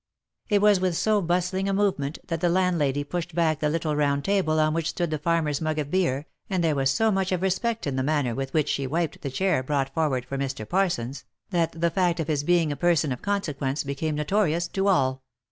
It was with so bustling a movement, that the landlady pushed back the little round table on which stood the farmer's mug of beer, and there was so much of respect in the manner with which she wiped the chair brought forward for Mr. Parsons, that the fact of his being a person of consequence, became notorious to all.